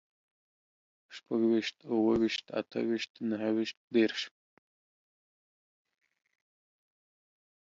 شپږويشت، اووه ويشت، اته ويشت، نهه ويشت، دېرش